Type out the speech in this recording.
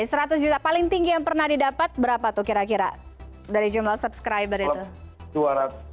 seratus juta paling tinggi yang pernah didapat berapa tuh kira kira dari jumlah subscriber itu